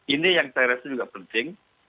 ini yang terasnya juga penting